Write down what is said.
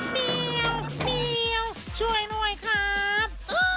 เมียวเมียวช่วยหน่อยครับ